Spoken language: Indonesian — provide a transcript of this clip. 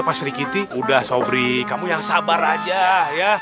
ya belajar ilmu silat itu nggak langsung bisa perlu proses